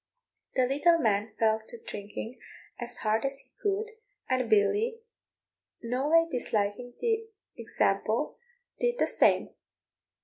The little man fell to drinking as hard as he could, and Billy, noway disliking the example, did the same.